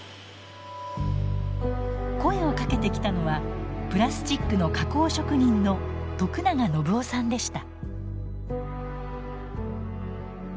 声をかけてきたのはプラスチックの加工職人の徳永暢男さんでした。